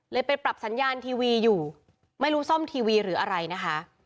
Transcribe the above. ไปปรับสัญญาณทีวีอยู่ไม่รู้ซ่อมทีวีหรืออะไรนะคะ